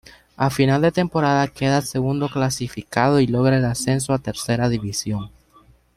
A final de temporada queda segundo clasificado y logra el ascenso a Tercera división.